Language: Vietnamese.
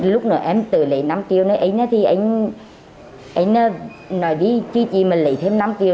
lúc nãy em tự lấy năm triệu anh nói với chị chị mà lấy thêm năm triệu